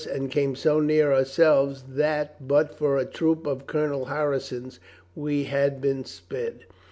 and came so near ourselves that but for a troop of Colonel Harrison's we had been sped.